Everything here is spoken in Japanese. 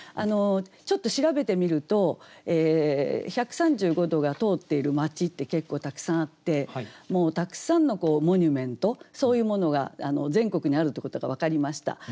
ちょっと調べてみると１３５度が通っている町って結構たくさんあってたくさんのモニュメントそういうものが全国にあるってことが分かりました。